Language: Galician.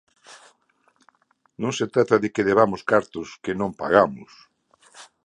Non se trata de que debamos cartos que non pagamos.